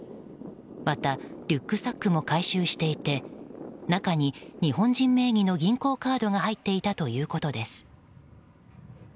また、リュックサックも回収していて中に日本人名義の銀行カードが入っていたということです。